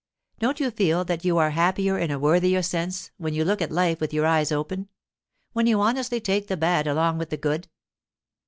Don't you feel that you are happier in a worthier sense when you look at life with your eyes open; when you honestly take the bad along with the good?